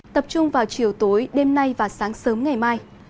tập trung vào chiều tối đêm nay và sáng sớm ngày mai